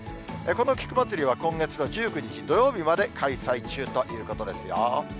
この菊まつりは、今月の１９日土曜日まで開催中ということですよ。